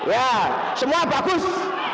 ya semua bagus